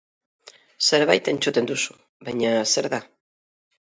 Zerbait entzuten duzu, baina zer da?